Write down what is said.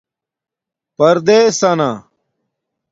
پردیسانہ